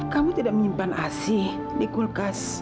kamu tidak menyimpan asih di kulkas